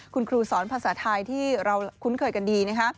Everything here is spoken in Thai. คุณครูสอนภาษาไทยที่เราคุ้นเคยกันดีนะคะ